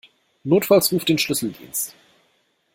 Notfalls ruf den Schlüsseldienst.